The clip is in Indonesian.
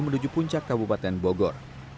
menuju puncak kabupaten bogor